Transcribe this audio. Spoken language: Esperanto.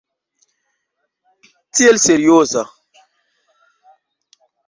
Tiel serioza!